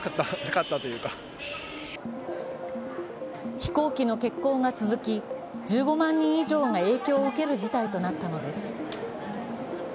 飛行機の欠航が続き１５万人以上が影響を受ける事態となったのです。